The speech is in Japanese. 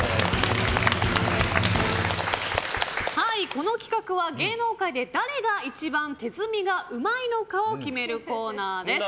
この企画は芸能界で誰が一番手積みがうまいのかを決めるコーナーです。